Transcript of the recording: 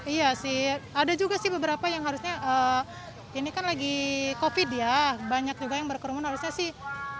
iya sih ada juga sih beberapa yang harusnya ini kan lagi covid ya banyak juga yang berkerumun harusnya sih